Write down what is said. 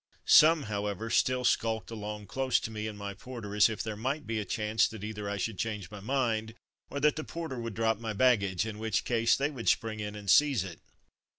Some, however, still skulked along close to me and my porter as if there might be a chance that either I should change my mind, or that the porter would drop my baggage, in which case they would spring in and seize it.